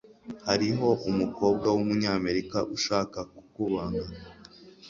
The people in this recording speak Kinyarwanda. Hariho umukobwa wumunyamerika ushaka kukubona.